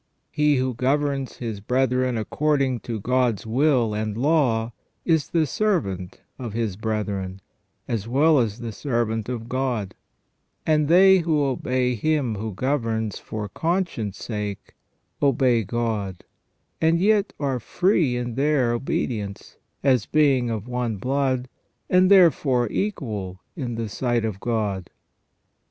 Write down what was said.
He who governs his brethren according to God's will and law is the servant of his brethren, as well as the servant of God ; and they who obey him who governs for conscience' sake, obey God, and yet are free in their obedience, as being of one blood, and therefore equal in the sight of God.